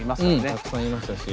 たくさんいましたし。